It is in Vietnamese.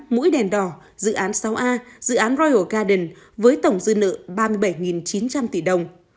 mũi đèn đỏ dự án sáu a dự án royal garden với tổng dư nợ ba mươi bảy chín trăm linh tỷ đồng